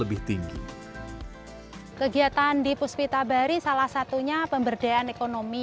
sehingga kegiatan di puspita bahari salah satunya pemberdayaan ekonomi